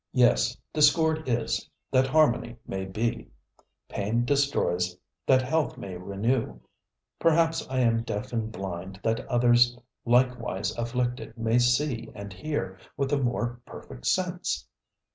Yes, discord is, that harmony may be; pain destroys, that health may renew; perhaps I am deaf and blind that others likewise afflicted may see and hear with a more perfect sense!